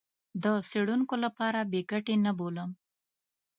د څېړونکو لپاره بې ګټې نه بولم.